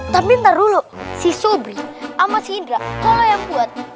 tapi ntar dulu si sobri sama si indra kalau yang buat